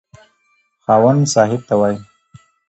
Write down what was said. خاوند صاحب ته وايي.